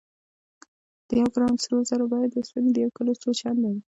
د یو ګرام سرو زرو بیه د اوسپنې د یو کیلو څو چنده ده.